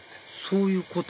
そういうこと？